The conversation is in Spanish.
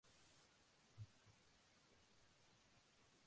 Es protagonizada por Matt Dillon, Lili Taylor y Marisa Tomei.